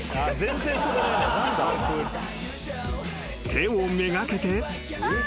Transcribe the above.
［手を目がけて］